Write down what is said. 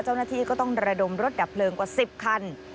เจ้าหน้าที่ก็ต้องระดมรถดับเพลิงกว่า๑๐คัน